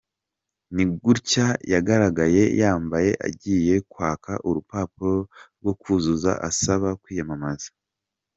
Ni gutya yagaragaye yambaye agiye kwaka urupapuro rwo kuzuza asaba kwiyamamaza.